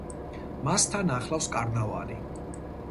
მას თან ახლავს კარნავალი.